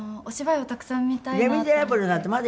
お芝居をたくさん見たいなと。